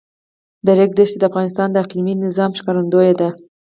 د ریګ دښتې د افغانستان د اقلیمي نظام ښکارندوی ده.